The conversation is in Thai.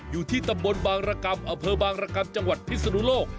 อยู่ที่ตำบลบางรกรรมอำเภอบางรกรรมจังหวัดพิศนุโลก